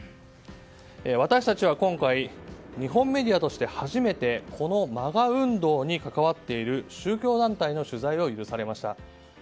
私たちは今回日本メディアとして初めてＭＡＧＡ運動に関わっている宗教団体の取材を許されました。